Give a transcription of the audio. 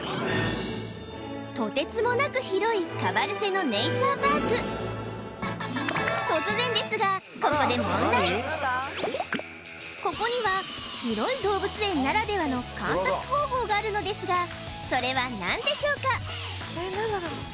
とてつもなく広いカバルセノ・ネイチャー・パーク突然ですがここには広い動物園ならではの観察方法があるのですがそれは何でしょうか？